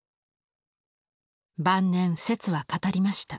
晩年摂は語りました。